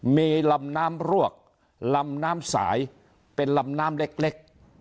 มีลำน้ำรวกลำน้ำสายเป็นลำน้ำเล็ก